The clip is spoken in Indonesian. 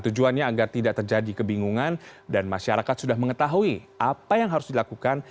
tujuannya agar tidak terjadi kebingungan dan masyarakat sudah mengetahui apa yang harus dilakukan